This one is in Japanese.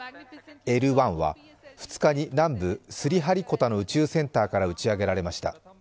Ｌ１は２日に南部スリハリコタの宇宙センターから打ち上げられました。